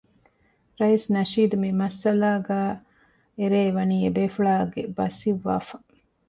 ރައީސް ނަޝީދު މިމައްސަލާގައި އެރޭ ވަނީ އެބޭފުޅާގެ ބަސް އިއްވާފަ